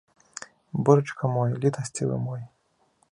Божачка мой, літасцівы мой!